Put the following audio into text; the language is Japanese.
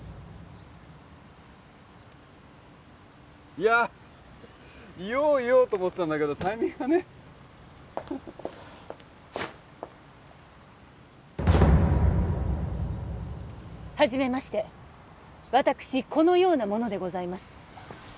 いやあ言おう言おうと思ってたんだけどタイミングがねはじめまして私このような者でございます